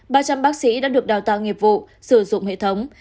ba trăm linh bác sĩ đã được đào tạo nghiệp vụ sử dụng hệ thống